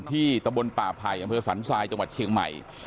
ที่ตะบลป่าภายอย่างเมืองสันทรายจังหวัดเชียงใหม่